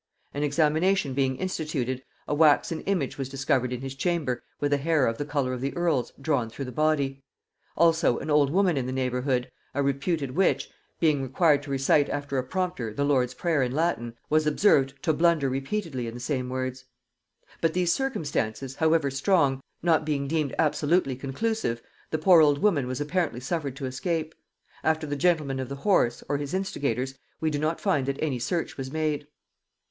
An examination being instituted, a waxen image was discovered in his chamber with a hair of the color of the earl's drawn through the body; also, an old woman in the neighbourhood, a reputed witch, being required to recite after a prompter the Lord's Prayer in Latin, was observed to blunder repeatedly in the same words. But these circumstances, however strong, not being deemed absolutely conclusive, the poor old woman was apparently suffered to escape: after the gentleman of the horse, or his instigators, we do not find that any search was made.